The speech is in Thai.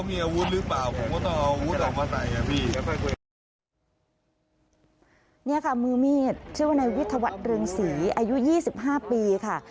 เชื่อว่าวิทยาวัตน์เรืองสีอายุ๒๕ปีค่ะ